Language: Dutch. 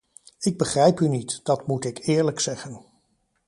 Ik begrijp u niet, dat moet ik eerlijk zeggen.